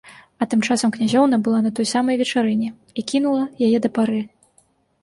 А тым часам князёўна была на той самай вечарыне і кінула яе да пары.